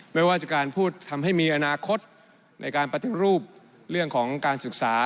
ไม่ว่าจะการพูดทำให้มีอนาคตในการปฏิรูปเรื่องของการศึกษา